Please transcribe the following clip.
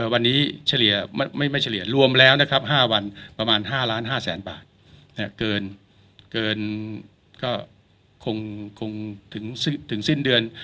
วันนี้เฉลี่ยไม่ไม่เฉลี่ยรวมแล้วนะครับห้าวันประมาณห้าร้านห้าแสนบาทเนี่ยเกินเกินก็คงคงถึงถึงสิ้นเดือน